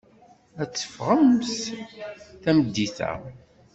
Ad teffɣemt tameddit-a.